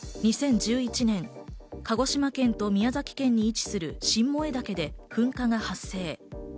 ２０１１年、鹿児島県と宮崎県に位置する新燃岳で噴火が発生。